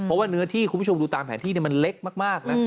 เพราะว่าเนื้อที่คุณผู้ชมดูตามแผนที่มันเล็กมากนะ